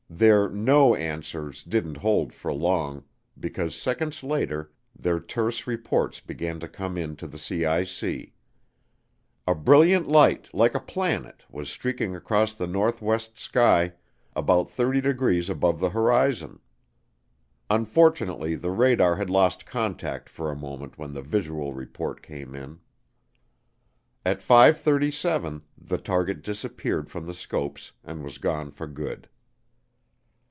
Their "No" answers didn't hold for long because seconds later their terse reports began to come into the CIC. A "brilliant light, like a planet" was streaking across the northwest sky about 30 degrees above the horizon. Unfortunately the radar had lost contact for a moment when the visual report came in. At 5:37 the target disappeared from the scopes and was gone for good.